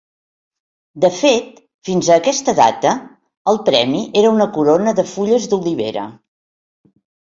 De fet, fins a aquesta data, el premi era una corona de fulles d'olivera.